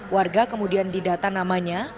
warga kemudian didata namanya